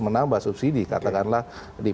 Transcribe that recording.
menambah subsidi katakanlah di